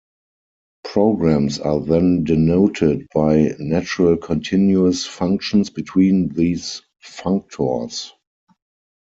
Programs are then denoted by natural continuous functions between these functors.